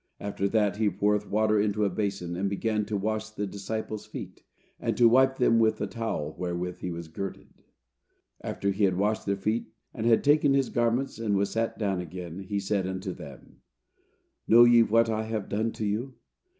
After that, he poureth water into a basin, and began to wash the disciples' feet, and to wipe them with the towel wherewith he was girded." "After he had washed their feet and had taken his garments and was sat down again, he said unto them, Know ye what I have done to you?